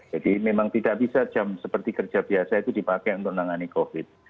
jadi memang tidak bisa jam seperti kerja biasa itu dipakai untuk menangani covid